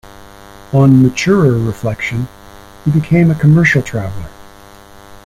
On maturer reflection he became a commercial traveller.